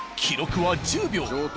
記録は１０秒。